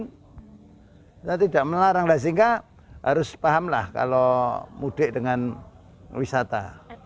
kita tidak melarang sehingga harus paham lah kalau mudik dengan wisata